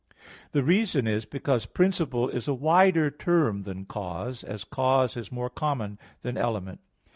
The reason is because "principle" is a wider term than "cause"; as "cause" is more common than "element."